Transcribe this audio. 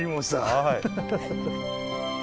はい。